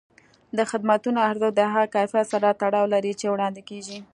د خدمتونو ارزښت د هغه کیفیت سره تړاو لري چې وړاندې کېږي.